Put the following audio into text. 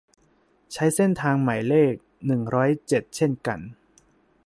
ใช้เส้นทางหมายเลข หนึ่งร้อยเจ็ด เช่นกัน